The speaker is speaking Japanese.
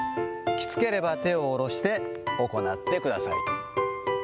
きつければ手を下ろして行ってください。